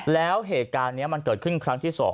แล้วเหตุการณ์นี้มันเกิดขึ้นครั้งที่๒